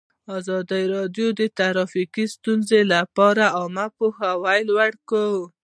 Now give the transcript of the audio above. ازادي راډیو د ټرافیکي ستونزې لپاره عامه پوهاوي لوړ کړی.